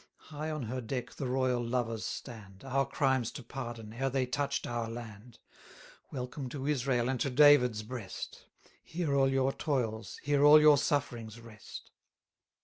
High on her deck the royal lovers stand, Our crimes to pardon, e'er they touch'd our land. Welcome to Israel and to David's breast! Here all your toils, here all your sufferings rest.